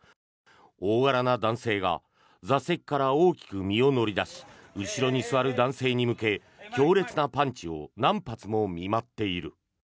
大柄な男性が座席から大きく身を乗り出し後ろに座る男性に向け強烈なパンチを何発も見舞っている。